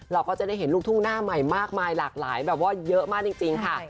เราก็จะได้เห็นลูกทุ่งหน้าใหม่มากมายหลากหลายแบบว่าเยอะมากจริงค่ะ